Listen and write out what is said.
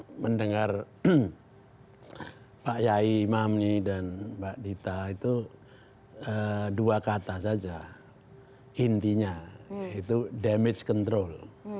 saya mendengar pak yai mamni dan mbak dita itu dua kata saja intinya yaitu damage control